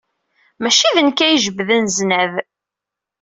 Maci d nekk ay ijebden zznad.